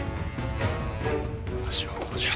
わしはここじゃ。